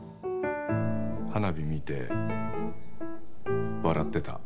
花火見て笑ってた。